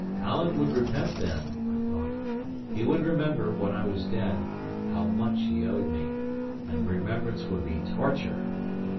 Alan would repent then, I thought; he would remember, when I was dead, how much he owed me, and the remembrance would be torture.